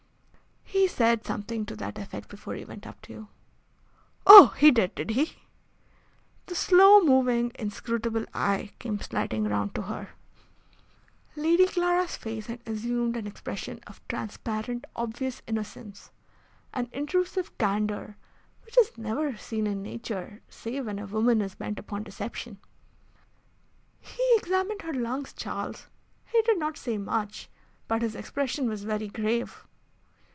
"He said something to that effect before he went up to you." "Oh, he did, did he?" The slow moving, inscrutable eye came sliding round to her. Lady Clara's face had assumed an expression of transparent obvious innocence, an intrusive candour which is never seen in nature save when a woman is bent upon deception. "He examined her lungs, Charles. He did not say much, but his expression was very grave."